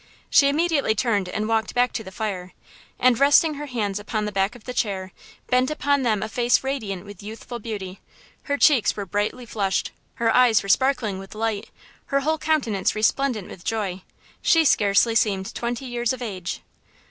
She immediately turned and walked back to the fire, and, resting her hands upon the back of the chair, bent upon them a face radiant with youthful beauty. Her cheeks were brightly flushed, her eyes were sparkling with light, her whole countenance resplendent with joy–she scarcely seemed twenty years of age.